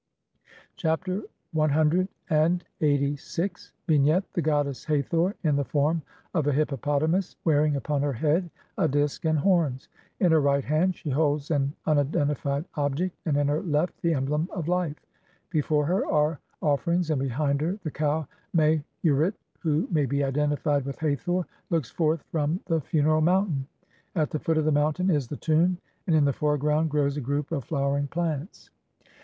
Chapter CLXXXVI. [From the Papyrus of Ani (Brit. Mus. No. 10,470, sheet 37).] Vignette : The goddess Hathor, in the form of a hippopotamus, wear ing upon her head a disk and horns ; in her right hand she holds an un identified object, and in her left the emblem of life. Before her are offer ings, and behind her the cow Meh urit, who may be identified with Hathor, looks forth from the funeral mountain. At the foot of the mountain is the tomb, and in the foreground grows a group of flowering plants.